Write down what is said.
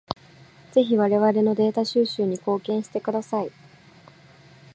ぜひ我々のデータ収集に貢献してください。